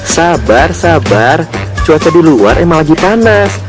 sabar sabar cuaca di luar emang lagi panas